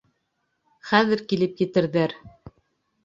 Хәҙер килеп етерҙәр.